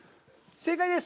正解です。